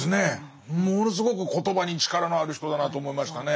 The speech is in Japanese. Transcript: ものすごく言葉に力のある人だなと思いましたね。